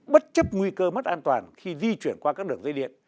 bất chấp nguy cơ mất an toàn khi di chuyển qua các đường dây điện